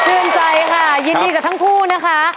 ชื่นใจค่ะยินดีกับทั้งคู่นะคะ